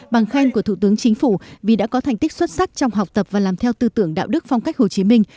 bằng khen của thủ tướng chính phủ vì đã có thành tích xuất sắc trong học tập và làm theo tư tưởng đạo đức phong cách hồ chí minh